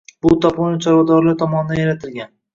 Bu toponim chorvadorlar tomonidan yaratilgan.